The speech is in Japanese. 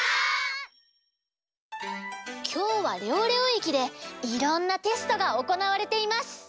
きょうはレオレオ駅でいろんなテストがおこなわれています